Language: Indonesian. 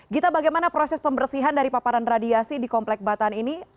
gita bagaimana proses pembersihan dari paparan radiasi di komplek batan ini